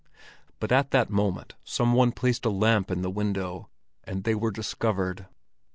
But at that moment some one placed a lamp in the window, and they were discovered.